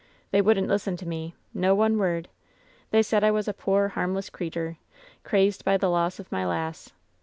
They wouldn't listen to me — ^no one word. They said I was a poor, harmless creetur, crazed by the loss of my lass.